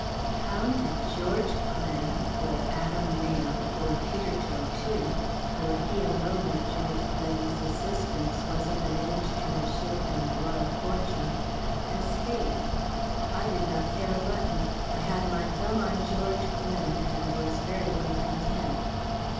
How did George Glen or Adam Mayle or Peter Tortue (for he alone of Glen's assistants was of an age to have shipped on the Royal Fortune) escape? I did not care a button. I had my thumb on George Glen, and was very well content.